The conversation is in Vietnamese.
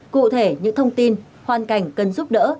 cụ thể những thông tin hoàn cảnh cần giúp đỡ